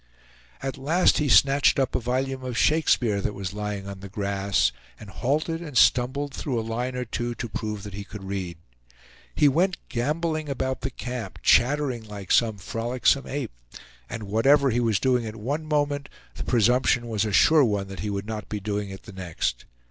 At last he snatched up a volume of Shakespeare that was lying on the grass, and halted and stumbled through a line or two to prove that he could read. He went gamboling about the camp, chattering like some frolicsome ape; and whatever he was doing at one moment, the presumption was a sure one that he would not be doing it the next.